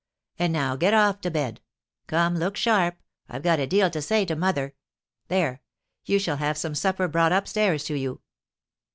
And now, get off to bed. Come, look sharp, I've got a deal to say to mother. There you shall have some supper brought up stairs to you."